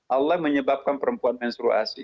allah menyebabkan perempuan mensuruh asli